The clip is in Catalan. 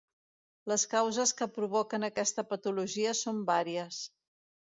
Les causes que provoquen aquesta patologia són vàries.